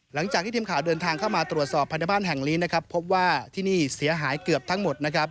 หลังจากที่เต็มข่าวเดินทางเข้ามาตรวจสอบพันธุ์บ้านแห่งลีนพบว่าที่นี่เสียหายเกือบทั้งหมด